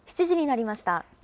７時になりました。